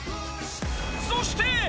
そして。